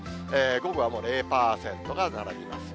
午後はもう０％が並びます。